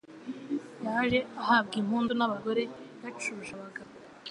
Yaje ahabwa impundu n'abagore yacuje abagabo!